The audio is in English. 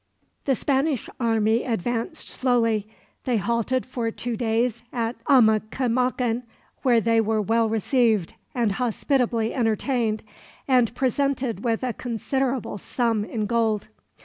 The Spanish army advanced slowly. They halted for two days at Amaquemecan, where they were well received and hospitably entertained, and presented with a considerable sum in gold.